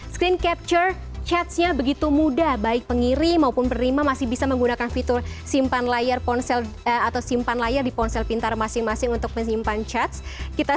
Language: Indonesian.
screen capture chatnya begitu mudah baik pengiri maupun penerima masih bisa menggunakan fitur simpan layar ponsel atau simpan layar di ponsel pintar masing masing untuk menyimpan chat